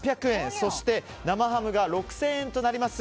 そして生ハムが６０００円となります。